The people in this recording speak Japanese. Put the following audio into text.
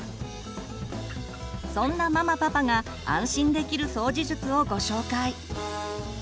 そんなママパパが安心できる掃除術をご紹介。